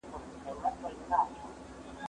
منډه د لوبغاړي لخوا وهل کېږي!؟